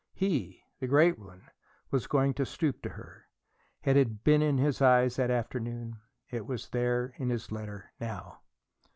He, the great one, was going to stoop to her. It had been in his eyes that afternoon; it was there, in his letter, now.